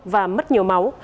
và mất nhiều máu